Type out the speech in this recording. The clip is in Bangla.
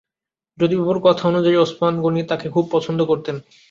জ্যোতিবাবুর কথা অনুযায়ী ওসমান গনি তাঁকে খুব পছন্দ করতেন।